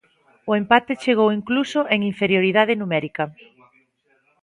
O empate chegou incluso en inferioridade numérica.